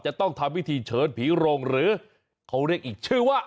จะต้องทำพิธีเชิญผีโรงหรือเขาเรียกอีกชื่อว่า